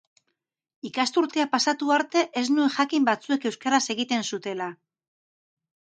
Ikasturtea pasatu arte ez nuen jakin batzuek euskaraz egiten zutela.